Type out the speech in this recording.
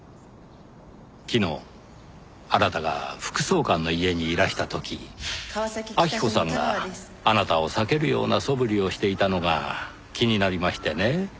昨日あなたが副総監の家にいらした時晃子さんがあなたを避けるようなそぶりをしていたのが気になりましてねぇ。